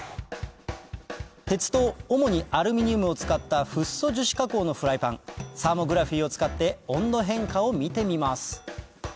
鉄と主にアルミニウムを使ったフッ素樹脂加工のフライパンサーモグラフィーを使って温度変化を見てみます